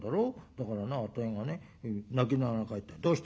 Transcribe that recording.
だからなあたいがね泣きながら帰ったら『どうした？